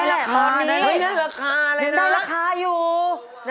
ได้ราคาอยู่ไม่ได้ราคาเลยนะ